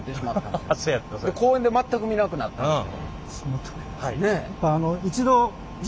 で公園で全く見なくなったんですよ。